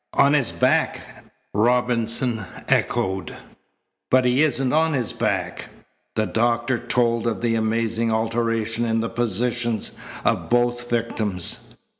"On his back!" Robinson echoed. "But he isn't on his back." The doctor told of the amazing alteration in the positions of both victims.